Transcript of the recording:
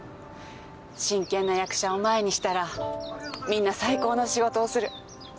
真剣な役者を前にしたらみんな最高の仕事をする。